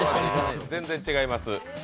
全然違います。